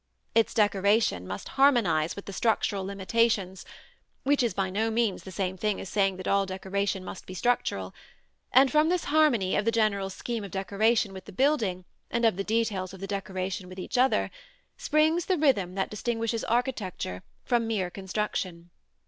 Its decoration must harmonize with the structural limitations (which is by no means the same thing as saying that all decoration must be structural), and from this harmony of the general scheme of decoration with the building, and of the details of the decoration with each other, springs the rhythm that distinguishes architecture from mere construction.